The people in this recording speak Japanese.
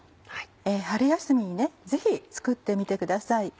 春休みにぜひ作ってみてください。